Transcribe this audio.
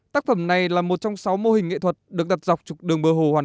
tác phẩm này là một trong sáu mô hình nghệ thuật được đặt dọc trục đường bờ hồ hoàn